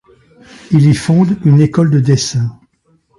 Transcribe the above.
Il y fonde une école de dessin.